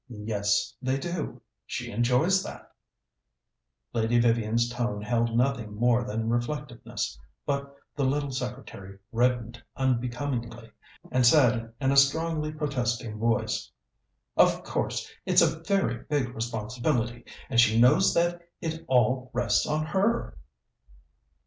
"Yes, they do. She enjoys that." Lady Vivian's tone held nothing more than reflectiveness, but the little secretary reddened unbecomingly, and said in a strongly protesting voice: "Of course, it's a very big responsibility, and she knows that it all rests on her."